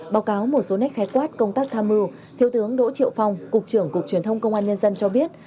báo cáo một số nét khái quát công tác tham mưu thiếu tướng đỗ triệu phong cục trưởng cục truyền thông công an nhân dân cho biết